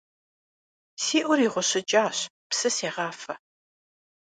Си Ӏур игъущӀыкӀащ, псы сегъафэ.